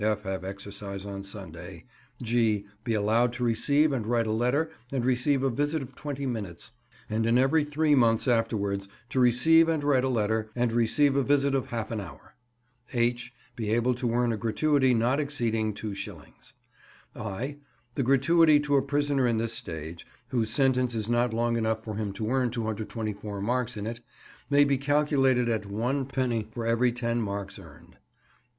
(f) Have exercise on Sunday. (g) Be allowed to receive and write a letter and receive a visit of twenty minutes; and in every three months afterwards to receive and write a letter, and receive a visit of half an hour. (h) Be able to earn a gratuity not exceeding 2s. (i) The gratuity to a prisoner in this stage, whose sentence is not long enough for him to earn 224 marks in it, may be calculated at 1d. for every 10 marks earned.